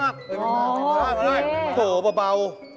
มันเผ็ดเบอร์ไหน